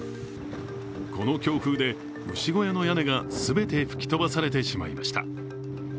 この強風で牛小屋の屋根が全て吹き飛ばされてしまいました。